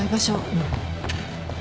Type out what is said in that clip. うん。